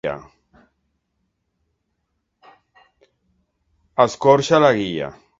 Escorxar la guilla.